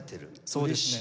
そうですね。